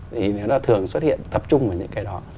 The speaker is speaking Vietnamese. thì nó thường xuất hiện tập trung vào những cái đó